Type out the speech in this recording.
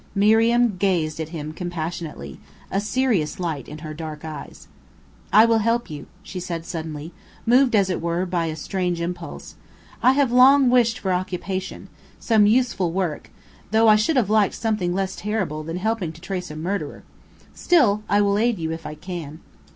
Miriam gazed at him compassionately, a serious light in her dark eyes. "I will help you," she said suddenly, moved as it were by a strange impulse; "I have long wished for occupation some useful work, though I should have liked something less terrible than helping to trace a murderer; still, I will aid you if I can."